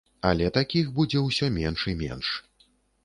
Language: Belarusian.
Але такіх будзе ўсё менш і менш.